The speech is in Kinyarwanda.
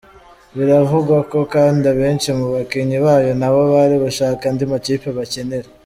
Biravugwa ko kandi benshi mu bakinnyi bayo nabo bari gushaka andi makipe bakinira.